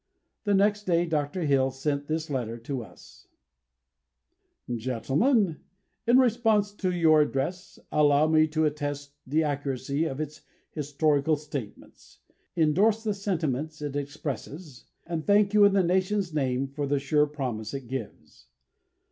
The next day, Dr. Hill sent this letter to us: "GENTLEMEN, In response to your address, allow me to attest the accuracy of its historical statements; indorse the sentiments it expresses; and thank you, in the nation's name, for the sure promise it gives.